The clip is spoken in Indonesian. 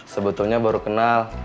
sebetulnya baru kenal